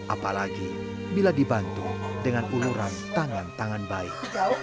apalagi bila dibantu dengan uluran tangan tangan baik